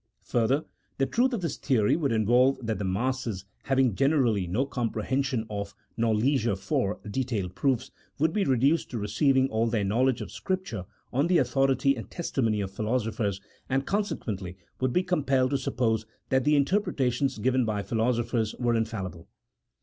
Further, the truth of this theory would involve that the masses, having generally no comprehension of, nor leisure for, detailed proofs, would be reduced to receiving all their knowledge of Scripture on the authority and testimony of philosophers, and, consequently, would be compelled te suppose that the interpretations given by philosophers were infallible.